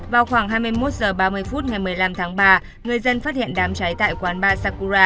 vào khoảng hai mươi một h ba mươi phút ngày một mươi năm tháng ba người dân phát hiện đám cháy tại quán ba sacura